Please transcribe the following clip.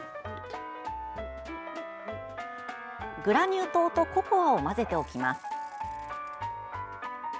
グラニュー糖とココアを混ぜておきます。